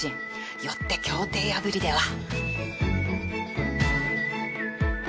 よって協定破りでは